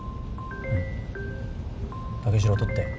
武四郎取って。